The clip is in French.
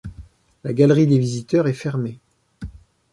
La galerie des visiteurs est fermée.